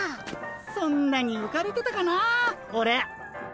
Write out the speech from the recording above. そんなにうかれてたかなあオレ。